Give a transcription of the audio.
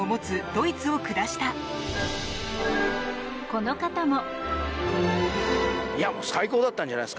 この方も。